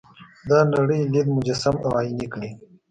دا نړۍ لید مجسم او عیني کړي.